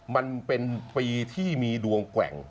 มันเป็นปีที่มีดวงแกว่ง